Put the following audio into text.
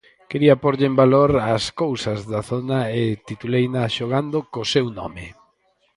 Quería pórlle en valor as cousas da zona e tituleina xogando co seu nome.